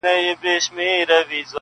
موج دي کم دریاب دي کم نهنګ دي کم،،!